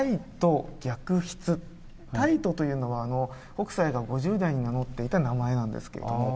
戴斗というのは北斎が５０代に名乗っていた名前なんですけれども。